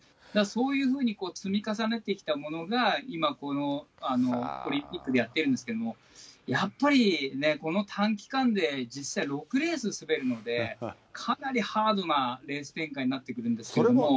そういうふうに、積み重ねてきたものが、今、このオリンピックでやってるんですけども、やっぱりこの短期間で、実際６レース滑るので、かなりハードなレース展開になっていくんですけども。